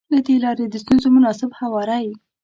له دې لارې د ستونزو مناسب هواری.